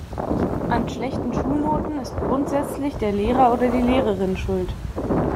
An schlechten Schulnoten ist grundsätzlich der Lehrer oder die Lehrerin schuld.